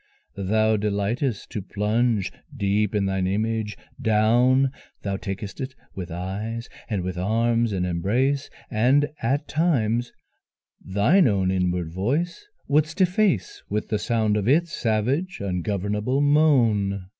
Thou delight'st to plunge deep in thine image down; Thou tak'st it with eyes and with arms in embrace, And at times thine own inward voice would'st efface With the sound of its savage ungovernable moan.